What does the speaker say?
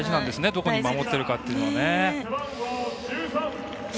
どこで守っているかっていうのは。